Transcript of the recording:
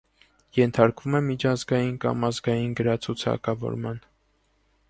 Ենթարկվում է միջազգային կամ ազգային գրացուցակավորման։